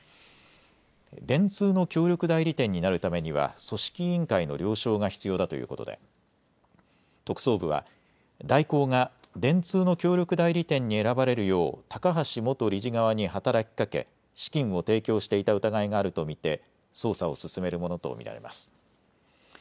電通の協力代理店になるためには組織委員会の了承が必要だということで特捜部は大広が電通の協力代理店に選ばれるよう高橋元理事側に働きかけ資金を提供していた疑いがあると見て捜査を進めるものと見られます。